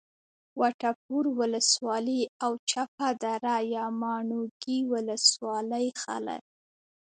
وټپور ولسوالي او چپه دره یا ماڼوګي ولسوالۍ خلک